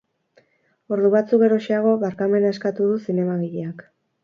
Ordu batzuk geroxeago, barkamena eskatu du zinemagileak.